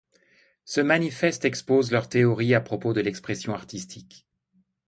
Ce manifeste expose leur théorie à propos de l'expression artistique.